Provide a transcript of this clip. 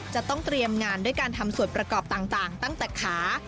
จะต้องเตรียมงานด้วยการทำส่วนประกอบต่างตั้งแต่ขา